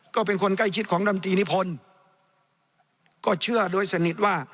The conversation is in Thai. ก็เป็นคนใกล้ชิดของดำตีนิพนธ์ก็เชื่อโดยสนิทว่า